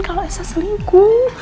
kalau elsa selingkuh